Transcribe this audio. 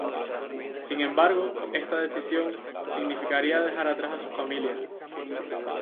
Sin embargo, esta decisión significaría dejar atrás a su familia.